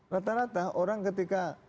rata rata orang ketika